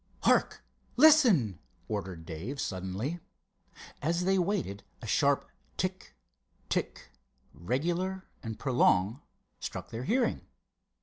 "Hark—listen!" ordered Dave, suddenly. As they waited a sharp tick—tick, regular and prolonged, struck their hearing.